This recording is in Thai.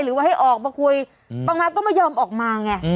หรือว่าให้ออกมาคุยบางก็ไม่ยอมออกมาไง